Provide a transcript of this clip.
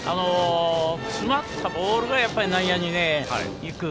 詰まったボールが内野に行く。